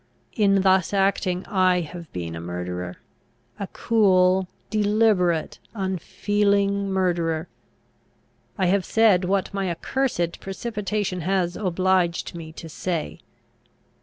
In thus acting I have been a murderer a cool, deliberate, unfeeling murderer. I have said what my accursed precipitation has obliged me to say.